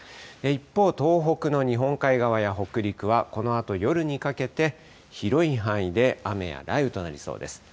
一方、東北の日本海側や北陸はこのあと夜にかけて、広い範囲で雨や雷雨となりそうです。